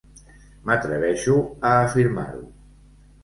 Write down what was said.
M'atreveixo a afirmar-ho.